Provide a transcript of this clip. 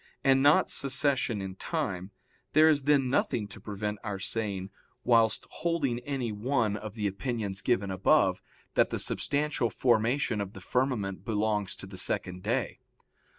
iv, 22,24), and not succession in time, there is then nothing to prevent our saying, whilst holding any one of the opinions given above, that the substantial formation of the firmament belongs to the second day.